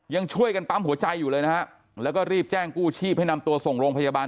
ยังช่วยกันปั๊มหัวใจอยู่เลยนะฮะแล้วก็รีบแจ้งกู้ชีพให้นำตัวส่งโรงพยาบาล